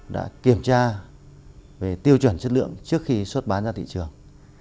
đã kiểm tra về tiêu chuẩn chất lượng trước khi xuất bán ra thị trường